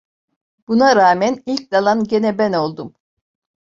Buna rağmen ilk dalan gene ben oldum.